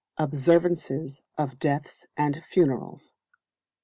Observances of Deaths and Funerals.